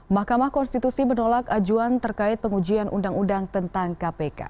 mahkamah konstitusi menolak ajuan terkait pengujian undang undang tentang kpk